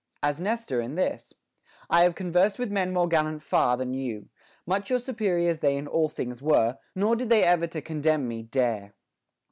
As Nestor in this : I have conversed witli men more gallant far Than you ; much your superiors they in all things were, Nor did they ever to contemn me dare.